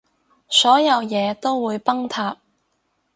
所有嘢都會崩塌